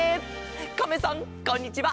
カメさんこんにちは。